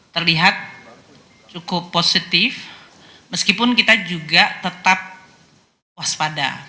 terlihat cukup positif meskipun kita juga tetap waspada